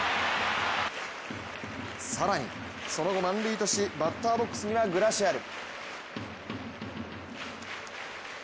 更にその後、満塁としバッターボックスにはグラシアル。